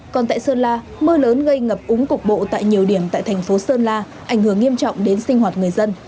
còn tại sơn la mưa lớn gây ngập úng cục bộ tại nhiều điểm tại thành phố sơn la ảnh hưởng nghiêm trọng đến sinh hoạt người dân